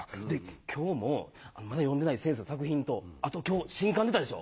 今日もまだ読んでない先生の作品とあと今日新刊出たでしょ？